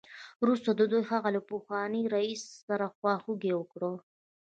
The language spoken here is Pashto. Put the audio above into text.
وروسته دوی د هغه له پخواني رییس سره خواخوږي وکړه